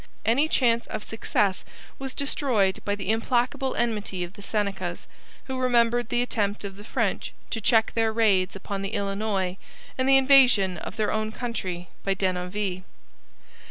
Any chance of success was destroyed by the implacable enmity of the Senecas, who remembered the attempt of the French to check their raids upon the Illinois and the invasion of their own country by Denonville.